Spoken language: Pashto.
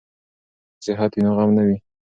که صحت وي نو غم نه وي.